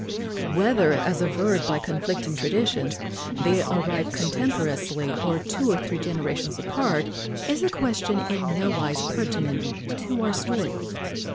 Whether, as averred by conflicting traditions, they arrived contemporaneously or two or three generations apart, is a question in nowise pertinent to our story.